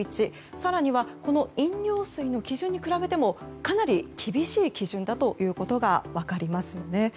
更には飲料水の基準に比べてもかなり厳しい基準だということが分かりますよね。